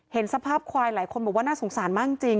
เห็นสภาพควายหลายคนบอกว่าน่าสงสารมากจริง